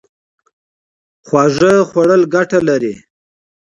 خواږه خوړل ګټه لري